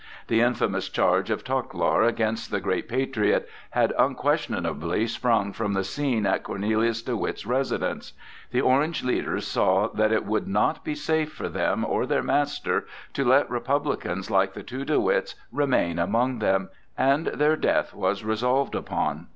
The infamous charge of Tichelaar against the great patriot had unquestionably sprung from the scene at Cornelius de Witt's residence. The Orange leaders saw that it would not be safe for them or their master to let republicans like the two De Witts remain among them, and their death was resolved upon.